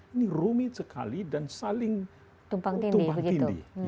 ini rumit sekali dan saling tumpang tindih